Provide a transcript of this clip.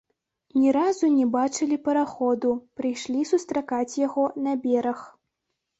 Ні разу не бачылі параходу, прыйшлі сустракаць яго на бераг.